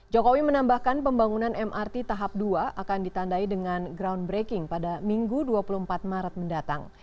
jokowi menambahkan pembangunan mrt tahap dua akan ditandai dengan groundbreaking pada minggu dua puluh empat maret mendatang